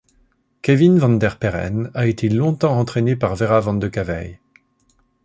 Kevin Van Der Perren a été longtemps entraîné par Vera Vandecaveye.